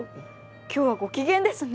今日はご機嫌ですね。